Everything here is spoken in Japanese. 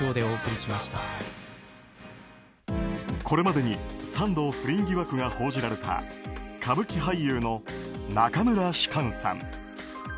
これまでに３度不倫疑惑が報じられた歌舞伎俳優の中村芝翫さん。